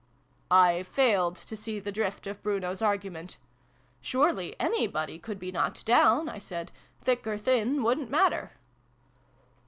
I failed to see the drift of Bruno's argument. " Surely anybody could be knocked down," I said : "thick or thin wouldn't matter."